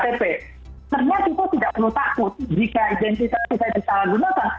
sebenarnya kita tidak perlu takut jika identitas bisa disalahgunakan